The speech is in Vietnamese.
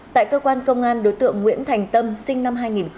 tại cơ quan công an đối tượng nguyễn thành tâm sinh năm hai nghìn hai